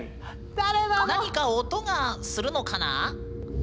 何か音がするのかなあ？